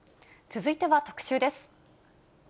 続いては特集です。